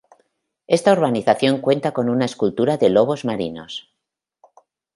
Esta urbanización cuenta con una escultura de lobos marinos.